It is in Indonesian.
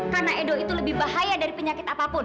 karena edo itu lebih bahaya dari penyakit apapun